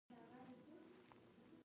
منم چې ته د حسن د رنګونو باډيوه يې